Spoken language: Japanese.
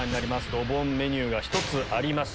ドボンメニューが１つあります。